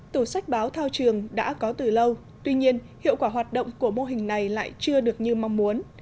tủ sách báo thao trường đã có từ lâu tuy nhiên hiệu quả hoạt động của mô hình này lại chưa được như mong muốn